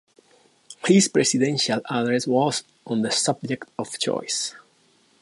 His Presidential address was on the subject of choice.